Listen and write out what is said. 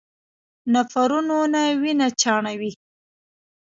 نفرونونه وینه چاڼوي.